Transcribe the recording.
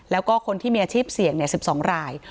แล้วก็คนที่มีอาชีพเสี่ยง๑๒ราย